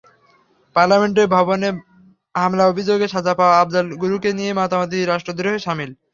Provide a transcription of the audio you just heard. Parliament ভবনে হামলার অভিযোগে সাজা পাওয়া আফজল গুরুকে নিয়ে মাতামাতি রাষ্ট্রদ্রোহেরই শামিল।